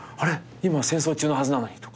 今戦争中のはずなのに！とか。